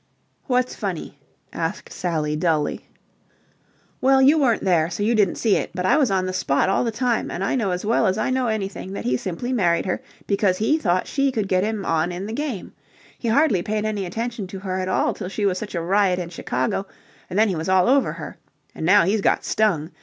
"What's funny?" asked Sally, dully. "Well, you weren't there, so you didn't see it, but I was on the spot all the time, and I know as well as I know anything that he simply married her because he thought she could get him on in the game. He hardly paid any attention to her at all till she was such a riot in Chicago, and then he was all over her. And now he's got stung.